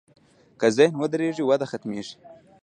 که ذهن ودرېږي، وده ختمېږي.